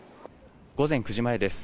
午前９時前です。